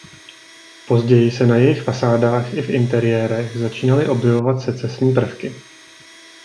Později se na jejich fasádách i v interiérech začínaly objevovat secesní prvky.